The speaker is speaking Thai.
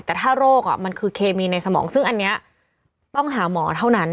แต่ถ้าโรคมันคือเคมีในสมองซึ่งอันนี้ต้องหาหมอเท่านั้น